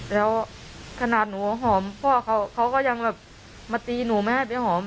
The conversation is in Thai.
แล้วขนาดหนูหอมพ่อเขาก็ยังแบบมาตีหนูไม่ให้ไปหอม